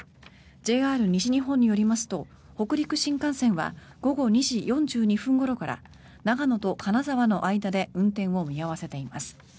ＪＲ西日本によりますと北陸新幹線は午後２時４２分ごろから長野と金沢の間で運転を見合わせています。